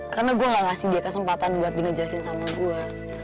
karena gue gak ngasih dia kesempatan buat dia ngejelasin sama gue